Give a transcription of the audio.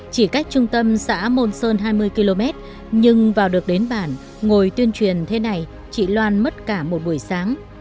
chỉ cách trung tâm xã môn sơn hai mươi km nhưng vào được đến bản ngồi tuyên truyền thế này chị loan mất cả một buổi sáng